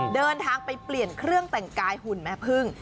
เดินทางไปเปลี่ยนเครื่องแต่งกายหุ่นแม่พึ่ง